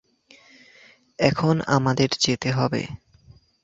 এখন আমাদের যেতে হবে।